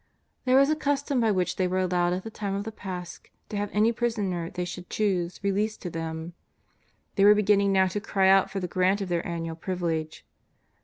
There was a cus tom by which they were allowed at the time of the Pasch to have any prisoner they should choose released to them. They were beginning now to cry out for the grant of their annual privilege.